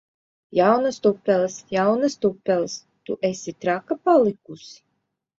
Jaunas tupeles! Jaunas tupeles! Tu esi traka palikusi!